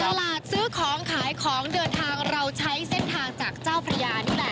ตลาดซื้อของขายของเดินทางเราใช้เส้นทางจากเจ้าพระยานี่แหละ